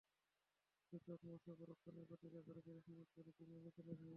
হয়তো চোখ মুছে পরক্ষণেই প্রতিজ্ঞা করেছিলেন, সুযোগ পেলে তিনিও নেচে দেখাবেন।